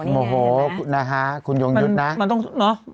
โอ้โหคุณยงยุทธ์นะ